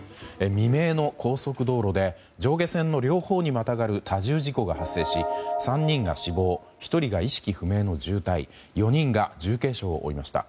未明の高速道路で上下線の両方にまたがる多重事故が発生し３人が死亡１人が意識不明の重体４人が重軽傷を負いました。